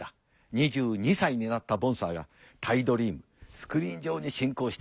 ２２歳になったボンサーがタイドリームスクリーン上に進行していく。